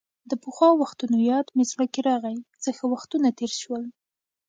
د پخوا وختونو یاد مې زړه کې راغۍ، څه ښه وختونه تېر شول.